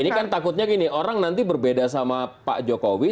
ini kan takutnya gini orang nanti berbeda sama pak jokowi